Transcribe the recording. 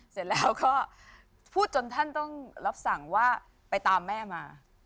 เสร็จแล้วก็พูดจนท่านต้องรับสั่งว่าไปตามแม่มา